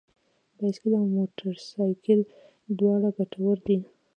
بايسکل او موټر سايکل دواړه ګټور دي.